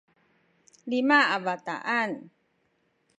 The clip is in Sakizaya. lima a bataan